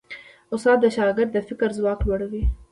استاد د شاګرد د فکر ځواک لوړوي.